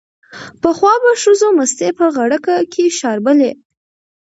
پخوا به ښځو مستې په غړګ کې شربلې